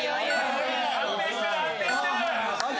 安定してる安定してる。ＯＫ。